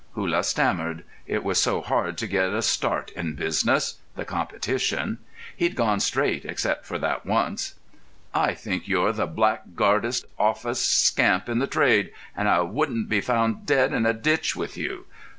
Hullah stammered. It was so hard to get a start in business—the competition—he'd gone straight except for that once. "I think you're the blackguardest, off est scamp in the trade, and I wouldn't be found dead in a ditch with you.